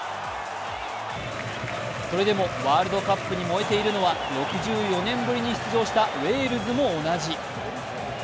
それでもワールドカップに燃えているのは６４年ぶりに出場したウェールズも同じ。